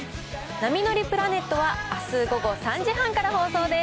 波乗りプラネットは、あす午後３時半から放送です。